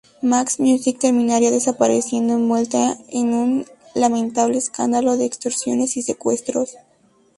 Max Music terminaría desapareciendo envuelta en un lamentable escándalo de extorsiones y secuestros.